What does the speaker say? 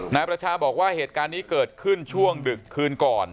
นายประชาบอกว่าเหตุการณ์นี้เกิดขึ้นช่วงดึกคืนก่อน